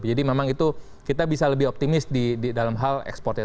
jadi memang itu kita bisa lebih optimis di dalam hal ekspor ya